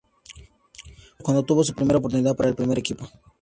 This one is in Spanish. Fue entonces cuando tuvo su primera oportunidad con el primer equipo.